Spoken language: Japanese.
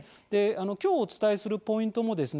今日お伝えするポイントもですね